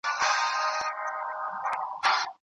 زه به نن د انار او کیلې د ګټو په اړه تحقیق وکړم.